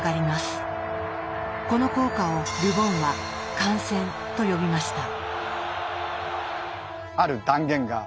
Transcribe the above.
この効果をル・ボンは「感染」と呼びました。